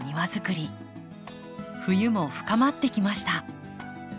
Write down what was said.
冬も深まってきました。